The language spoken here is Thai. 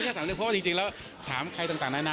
ไม่ไม่แค่๓เรื่องเพราะจริงแล้วถามใครต่างนาน